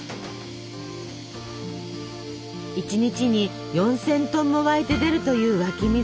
１日に４，０００トンも湧いて出るという湧き水。